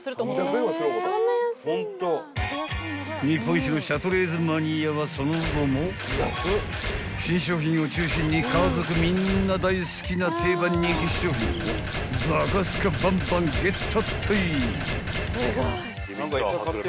［日本一のシャトレーゼマニアはその後も新商品を中心に家族みんな大好きな定番人気商品をバカスカバンバンゲットったい］